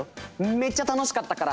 めっちゃ楽しかったから！